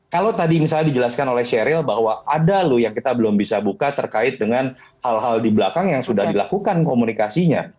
kalau tadi misalnya dijelaskan oleh sheryl bahwa ada loh yang kita belum bisa buka terkait dengan hal hal di belakang yang sudah dilakukan komunikasinya